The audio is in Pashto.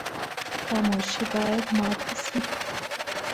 خاموشي باید ماته شي.